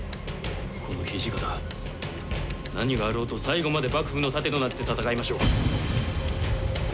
この土方何があろうと最後まで幕府の盾となって戦いましょう。